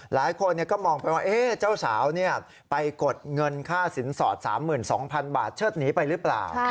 หลายคนก็มองไปว่าเจ้าสาวไปกดเงินค่าสินสอด๓๒๐๐๐บาทเชิดหนีไปหรือเปล่า